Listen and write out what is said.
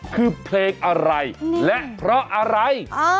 คือเพลงอะไรและเพราะอะไร